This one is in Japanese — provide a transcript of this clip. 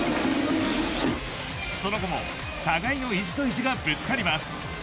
その後も互いの意地と意地がぶつかり合います。